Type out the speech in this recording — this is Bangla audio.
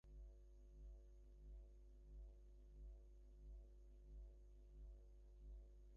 শেষের শুরুর ইনিংসে যখন ব্যাটিংয়ে নামলেন, সাতসকালে ইডেনের গ্যালারি তখনো ভরে ওঠেনি।